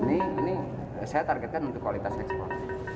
ini saya targetkan untuk kualitas ekspor